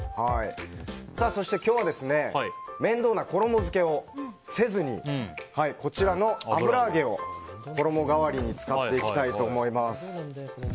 そして今日は面倒な衣付けをせずにこちらの油揚げを衣代わりに使っていきたいと思います。